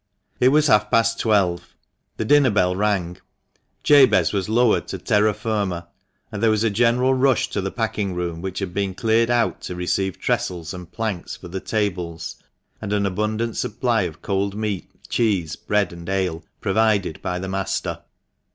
261 It was half past twelve ; the dinner bell rang, Jabez was lowered to terra firma, and there was a general rush to the packing room, which had been cleared out to receive tressels and planks for the tables, and an abundant supply of cold meat, cheese, bread, and ale, provided by the master.